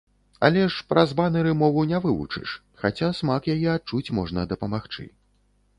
Але ж праз банэры мову не вывучыш, хаця смак яе адчуць можна дапамагчы.